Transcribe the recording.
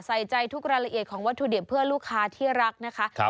ใส่ใจทุกรายละเอียดของวัตถุดิบเพื่อลูกค้าที่รักนะคะ